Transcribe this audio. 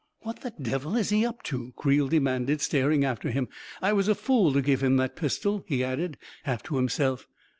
" What the devil is he up to? " Creel demanded, staring after him. " I was a fool to give him that pistol I " he added, half to himself.